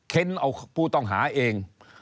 เค้นเอาผู้ต้องหาเอง